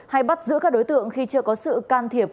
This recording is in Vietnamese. hay bắt giữ các đối tượng khi chưa có sự can thiệp